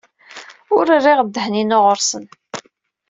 Ur rriɣ ddeh-inu ɣer-sen.